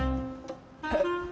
えっ？